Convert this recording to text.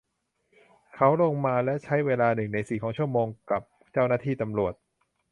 เขาลงมาและใช้เวลาหนึ่งในสี่ของชั่วโมงกับเจ้าหน้าที่ตำรวจ